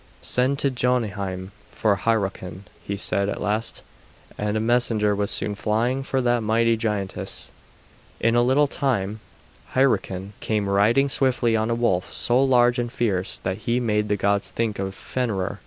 "Send to Jotunheim for Hyrroken," he said at last; and a messenger was soon flying for that mighty giantess. In a little time, Hyrroken came riding swiftly on a wolf so large and fierce that he made the gods think of Fenrer.